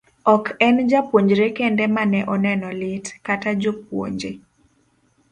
Ok en jopuonjre kende ma ne oneno lit, kata jopuonje